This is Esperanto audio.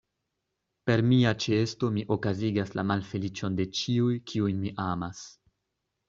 Per mia ĉeesto mi okazigas la malfeliĉon de ĉiuj, kiujn mi amas.